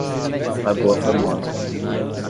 Lagoa Formosa